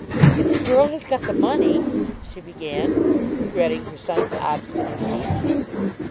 "If the girl has got the money ," she began, regretting her son's obstinacy.